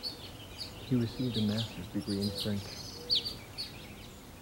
He received a master's degree in French.